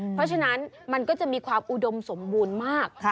เพราะฉะนั้นมันก็จะมีความอุดมสมบูรณ์มาก